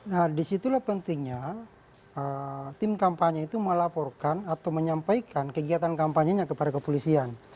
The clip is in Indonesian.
nah disitulah pentingnya tim kampanye itu melaporkan atau menyampaikan kegiatan kampanyenya kepada kepolisian